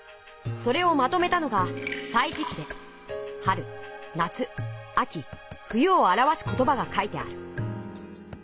それをまとめたのが「歳時記」で春夏秋冬をあらわす言ばが書いてある。